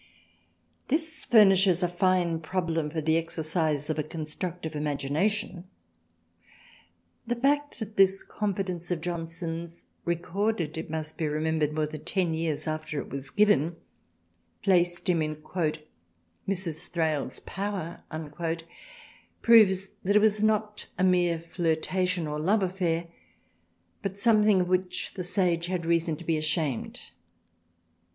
This furnishes a fine problem for the exercise of a constructive imagination. The fact that this con fidence of Johnson's, recorded it must be remembered more than ten years after it wras given, placed him " in Mrs. Thrale's powder " proves that it was not a mere flirtation or love affair but something of which the sage had reason to be ashamed.